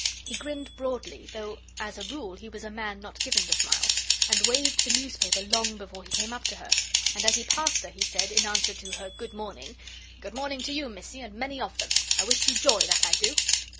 He grinned broadly, though, as a rule, he was a man not given to smiles, and waved the newspaper long before he came up to her. And as he passed her, he said, in answer to her "Good morning": "Good morning to you, Missie, and many of them! I wish you joy, that I do!"